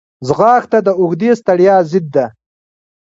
ځغاسته د اوږدې ستړیا ضد ده